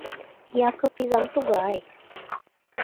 — Якып изам тугай!